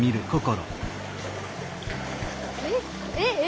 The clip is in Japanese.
えっえっえ！？